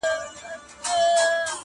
ورو په ورو د لېوه خواته ور نیژدې سو،